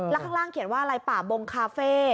แล้วข้างล่างเขียนว่าอะไรป่าบงคาเฟ่